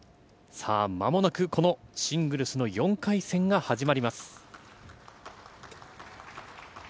さあ、まもなくこのシングルスの４回戦が始まります。